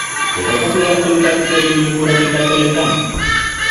Debekatu beharko lirateke erlijio ikurrak ikasgeletan?